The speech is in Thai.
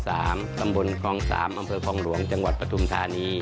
ตำบลคลอง๓อำเภอคลองหลวงจังหวัดปฐุมธานี